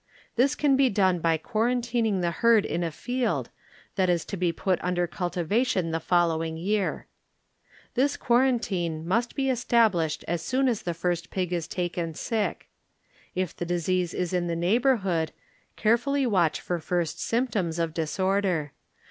This can be done by quarantining the herd in a field, that is to be put under cultivation the following year. This quarantine must be estab lished as soon as the first pig is taken sick. If the disease is In the neighbor hood, carefully watch for first symptoms of disorder.